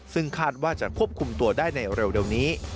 ซึ่งคาดว่าจะควบคุมตัวได้ในเร็วนี้